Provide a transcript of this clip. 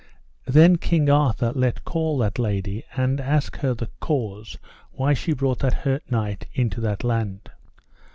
Then King Arthur let call that lady, and asked her the cause why she brought that hurt knight into that land.